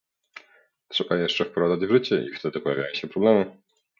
trzeba je jeszcze wprowadzać w życie i wtedy pojawiają się problemy